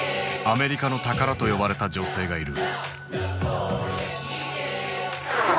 「アメリカの宝」と呼ばれた女性がいる。